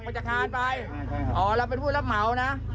มันจะขาดไปใช่ใช่อ๋อเราเป็นผู้รับเหมานะ